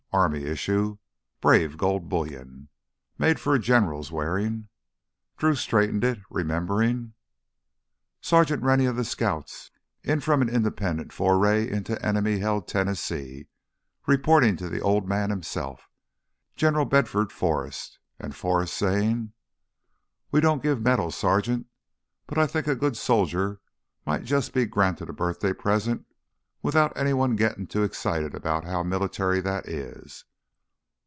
Army issue—brave gold bullion—made for a general's wearing. Drew straightened it, remembering.... Sergeant Rennie of the Scouts, in from an independent foray into enemy held Tennessee, reporting to the Old Man himself—General Bedford Forrest. And Forrest saying: "We don't give medals, Sergeant. But I think a good soldier might just be granted a birthday present without any one gittin' too excited about how military that is."